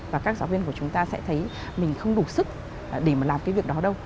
và các giáo viên của chúng ta sẽ thấy mình không đủ sức để mà làm cái việc đó đâu